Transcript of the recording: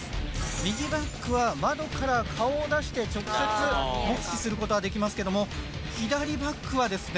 右バックは窓から顔を出して直接目視することはできますけども左バックはですね